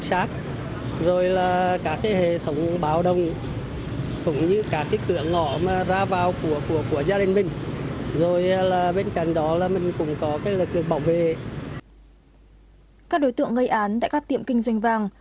các đối tượng gây án tại các tiệm kinh doanh vàng